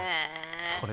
これ